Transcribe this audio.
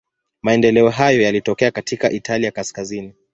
Maendeleo hayo yalitokea katika Italia kaskazini.